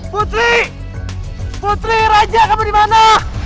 putri putri raja kamu dimana